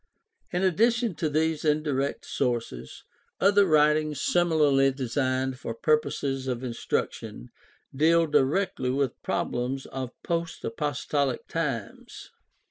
In addition to these indirect sources, other writings similarly designed for purposes of instruction deal directly with problems of post apostolic times.